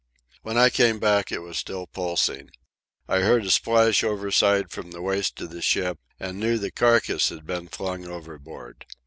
When I came back it was still pulsing. I heard a splash overside from the waist of the ship, and knew the carcass had been flung overboard.